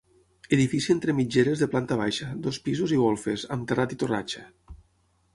Edifici entre mitgeres de planta baixa, dos pisos i golfes, amb terrat i torratxa.